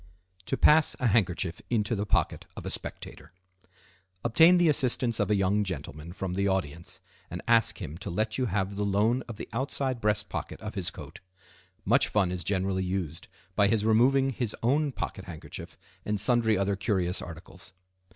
To Pass a Handkerchief into the Pocket of a Spectator.—Obtain the assistance of a young gentleman from the audience, and ask him to let you have the loan of the outside breast pocket of his coat. Much fun is generally used by his removing his own pocket handkerchief and sundry other curious articles.